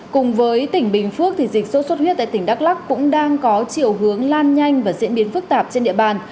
cùng với tỉnh bình phước dịch sốt xuất huyết tại tỉnh đắk lắc cũng đang có chiều hướng lan nhanh và diễn biến phức tạp trên địa bàn